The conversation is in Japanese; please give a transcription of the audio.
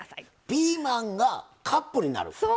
ピーマンがカップになる？